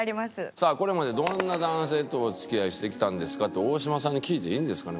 さあこれまでどんな男性とお付き合いしてきたんですかって大島さんに聞いていいんですかね？